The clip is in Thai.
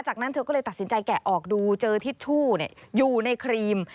จากนั้นเธอก็เลยตัดสินใจแกะออกดูเจอทิชชู่อยู่ในครีม